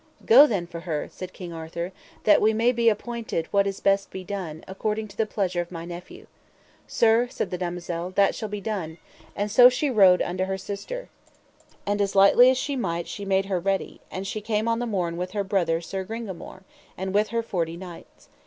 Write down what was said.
Go then for her, said King Arthur, that we may be appointed what is best to be done, according to the pleasure of my nephew. Sir, said the damosel, that shall be done, and so she rode unto her sister. And as lightly as she might she made her ready; and she came on the morn with her brother Sir Gringamore, and with her forty knights.